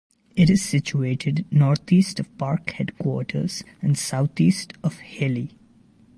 It is situated northeast of park headquarters and southeast of Healy.